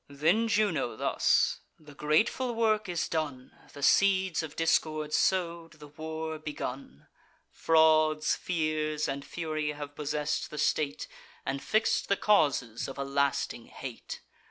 Then Juno thus: "The grateful work is done, The seeds of discord sow'd, the war begun; Frauds, fears, and fury have possess'd the state, And fix'd the causes of a lasting hate.